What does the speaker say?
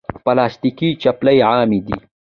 پلاستيکي چپلی عامې دي.